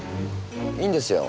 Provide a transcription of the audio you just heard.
いいんですよ。